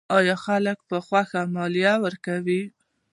آیا خلک په خوښۍ مالیه ورکوي؟